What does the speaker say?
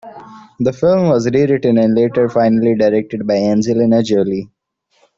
The film was rewritten and later finally directed by Angelina Jolie.